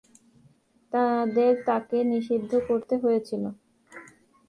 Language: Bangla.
তাদের তাকে নিষিদ্ধ করতে হয়েছিল।